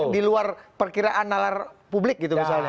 di luar perkiraan nalar publik gitu misalnya